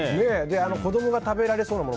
子供が食べられそうなもの